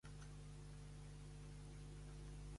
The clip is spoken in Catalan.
El socialista Rosario Olivo fou renovat com a president.